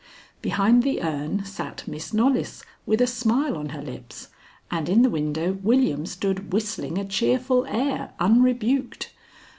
Behind the urn sat Miss Knollys, with a smile on her lips, and in the window William stood whistling a cheerful air, unrebuked.